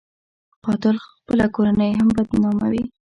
قاتل خپله کورنۍ هم بدناموي